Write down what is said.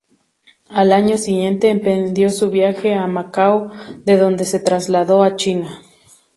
Al año siguiente emprendió su viaje a Macao, de donde se trasladó a China.